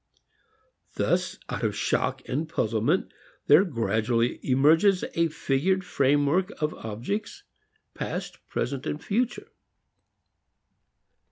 Thus out of shock and puzzlement there gradually emerges a figured framework of objects, past, present, future.